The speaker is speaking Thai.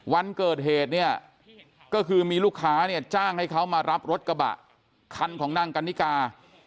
วันเกิดเหตุเนี่ยก็คือมีลูกค้าเนี่ยจ้างให้เขามารับรถกระบะคันของนางกันนิกา